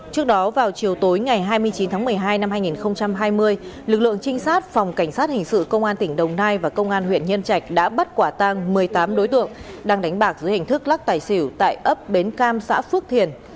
trước đó vào chiều tối ngày hai mươi chín tháng một mươi hai năm hai nghìn hai mươi lực lượng trinh sát phòng cảnh sát hình sự công an tỉnh đồng nai và công an huyện nhân trạch đã bắt quả tang một mươi tám đối tượng đang đánh bạc dưới hình thức lắc tài xỉu tại ấp bến cam xã phước thiền